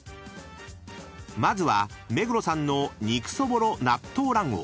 ［まずは目黒さんの肉そぼろ納豆卵黄］